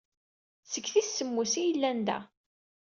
Seg tis semmuset ay llan da.